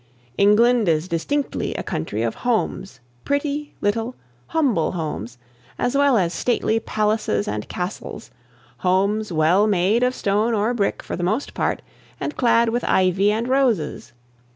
England is distinctively a country of homes, pretty, little, humble homes as well as stately palaces and castles, homes well made of stone or brick for the most part, and clad with ivy and roses.